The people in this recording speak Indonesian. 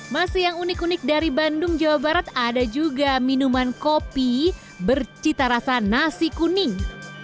masih yang unik unik dari bandung jawa barat ada juga minuman kopi bercita rasa nasi kuning